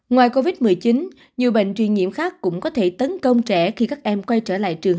ngoài covid một mươi chín nhiều bệnh truyền nhiễm khác cũng có thể tấn công trẻ khi các em quay trở lại trường